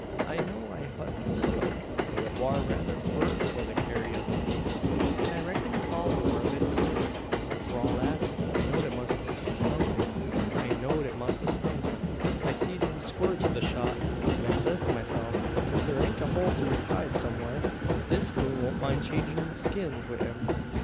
I know'd I hut the skunk; but it war rayther fur for the carry o' the piece, an I reckon'd the ball war a bit spent. F'r all that, I know'd it must a stung him. I seed him squirm to the shot, an I says to myself: Ef ther ain't a hole through his hide somewhar, this coon won't mind changin' skins wi' him.